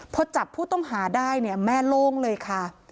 พอจับผู้ต้องหาได้เนี่ยแม่โล่งเลยค่ะ